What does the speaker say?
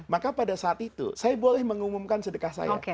maka pada saat itu saya boleh mengumumkan sedekah saya